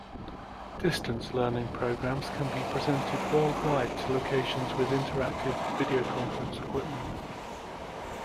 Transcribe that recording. Distance Learning programs can be presented worldwide to locations with interactive videoconference equipment.